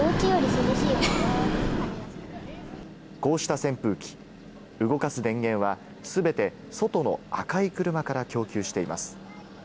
こうした扇風機、動かす電源は全て外の赤い車から供給しています。